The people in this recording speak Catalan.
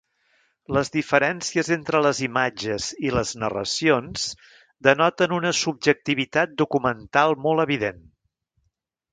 Les diferències entre les imatges i les narracions denoten una subjectivitat documental molt evident.